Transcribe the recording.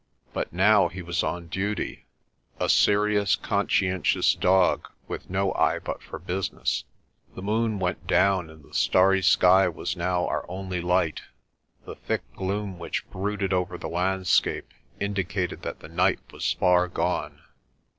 But now he was on duty, a serious, conscientious dog with no eye but for business. The moon went down and the starry sky was now our only light. The thick gloom which brooded over the landscape indicated that the night was far gone.